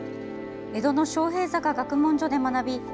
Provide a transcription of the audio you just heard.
江戸の昌平坂学問所で学び